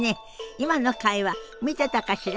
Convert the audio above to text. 今の会話見てたかしら？